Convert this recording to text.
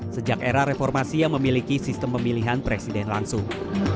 sejak era reformasi yang memiliki sistem pemilihan presiden langsung